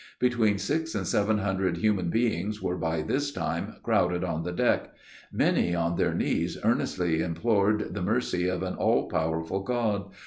Between six and seven hundred human beings, were by this time crowded on the deck. Many on their knees earnestly implored the mercy of an all powerful God!